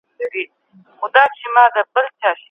کورنۍ له مینې ډکه پاملرنه کوي.